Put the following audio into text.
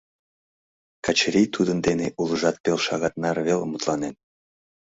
Качырий тудын дене улыжат пел шагат наре веле мутланен.